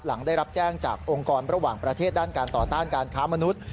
หลังได้รับแจ้งจากองค์กรระหว่างประเทศด้านการต่อต้านการค้ามนุษย์